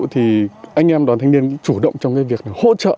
thì anh em đoàn thanh niên chủ động trong cái việc hỗ trợ